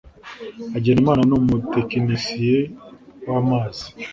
hagenimana ni umutekinisiye wa mazi